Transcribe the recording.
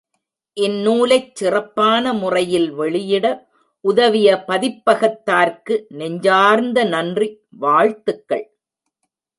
இந்நூலைச் சிறப்பான முறையில் வெளியிட உதவிய பதிப்பகத்தார்க்கு நெஞ்சார்ந்த நன்றி, வாழ்த்துக்கள்!